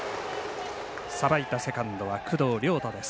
さばいたセカンドは工藤遼大です。